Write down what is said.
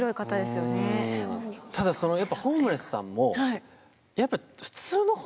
ただそのホームレスさんもやっぱり。